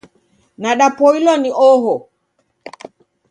Nadapoilwa ni oho